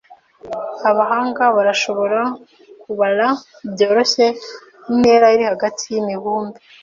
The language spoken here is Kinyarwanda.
Abahanga barashobora kubara byoroshye intera iri hagati yimibumbe.